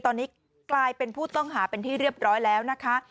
ตอนนี้กลายเป็นผู้ต้องหาเป็นที่เรียบร้อยแล้วนะคะ